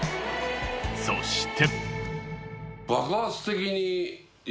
そして。